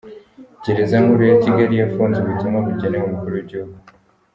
Gereza Nkuru ya Kigali yafunze ubutumwa bugenewe Umukuru w’Igihugu